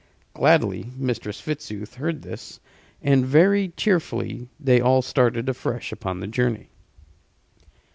Gladly Mistress Fitzooth heard this, and very cheerfully they all started afresh upon the journey.